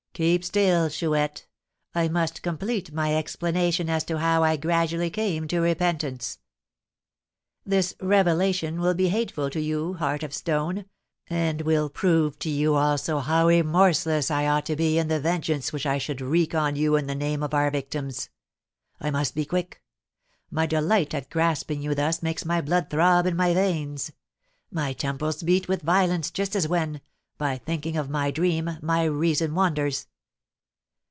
"Keep still, Chouette; I must complete my explanation as to how I gradually came to repentance. This revelation will be hateful to you, heart of stone, and will prove to you also how remorseless I ought to be in the vengeance which I should wreak on you in the name of our victims. I must be quick. My delight at grasping you thus makes my blood throb in my veins, my temples beat with violence, just as when, by thinking of my dream, my reason wanders.